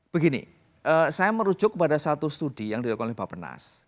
begini saya merujuk kepada satu studi yang dilakukan oleh bapak penas